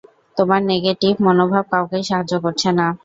তোমার নেগেটিভ মনোভাব কাউকেই সাহায্য করছে না।